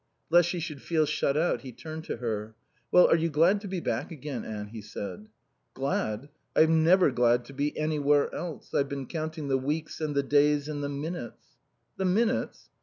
Lest she should feel shut out he turned to her. "Well, are you glad to be back again, Anne?" he said. "Glad? I'm never glad to be anywhere else. I've been counting the weeks and the days and the minutes." "The minutes?"